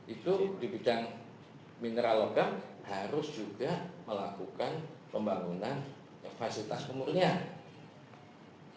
itu di bidang mineralogam harus juga melakukan pembangunan fasilitas kemurnian